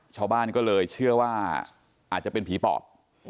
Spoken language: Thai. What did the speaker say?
ชาวบ้านก็เลยเชื่อว่าอาจจะเป็นผีปอบ